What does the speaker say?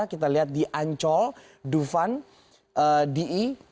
kita lihat di ancol duvan di